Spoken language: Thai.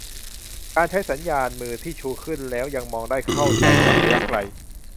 - การใช้สัญญาณมือที่ชูขึ้นแล้วยังมองได้เข้าใจจากระยะไกล